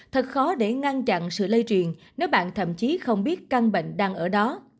thật khó để ngăn chặn sự lây truyền nếu bạn thậm chí không biết căn bệnh đang ở đó